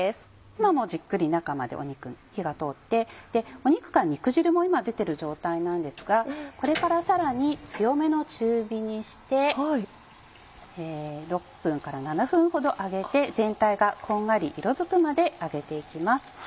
今もうじっくり中まで肉に火が通って肉から肉汁も今出てる状態なんですがこれからさらに強めの中火にして６分から７分ほど揚げて全体がこんがり色づくまで揚げていきます。